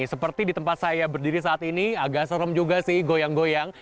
seperti di tempat saya berdiri saat ini agak serem juga sih goyang goyang